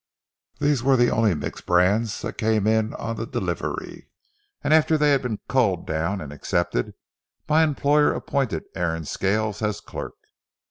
These were the only mixed brands that came in on the delivery, and after they had been culled down and accepted, my employer appointed Aaron Scales as clerk.